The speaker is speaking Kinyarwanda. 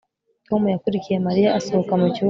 Tom yakurikiye Mariya asohoka mu cyumba